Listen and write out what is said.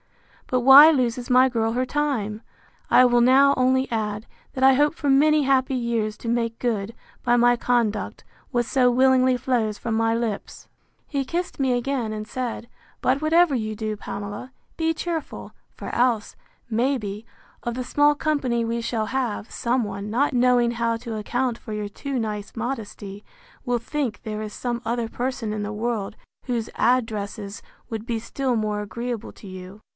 —But why loses my girl her time? I will now only add, that I hope for many happy years to make good, by my conduct, what so willingly flows from my lips. He kissed me again, and said, But, whatever you do, Pamela, be cheerful; for else, may be, of the small company we shall have, some one, not knowing how to account for your too nice modesty, will think there is some other person in the world, whose addresses would be still more agreeable to you.